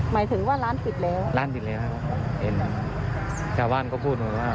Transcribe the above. หมายถึงว่าร้านติดแล้ว